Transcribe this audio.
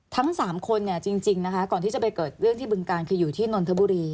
ทั้ง๓คนเนี่ยจริงนะคะก่อนที่จะไปเกิดเรื่องที่บึงการคืออยู่ที่นนทบุรี